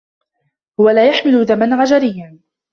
هو لا يحمل دما غجريّا.